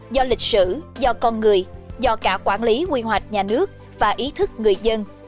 do lịch sử do con người do cả quản lý quy hoạch nhà nước và ý thức người dân